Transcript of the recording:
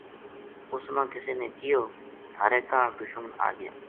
اُس نا کِسنے کہیو تھارے کاہڈ دشمن آگیا